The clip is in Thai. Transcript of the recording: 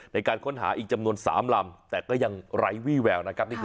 ในการค้นหาอีกจำนวน๓ลำแต่ก็ยังไร้วี่แววนะครับ